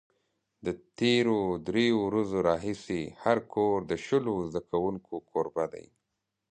له تېرو درېیو ورځو راهیسې هر کور د شلو زده کوونکو کوربه دی.